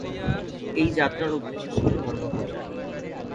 এই যাত্রার উদ্দেশ্য ছিল ধর্ম প্রচার।